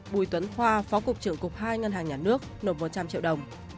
bùi tuấn khoa phó cục trưởng cục hai ngân hàng nhà nước nộp một trăm linh triệu đồng